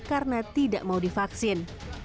karena tidak mau divaksin